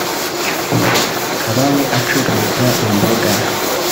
ubu akaba we acuruza imboga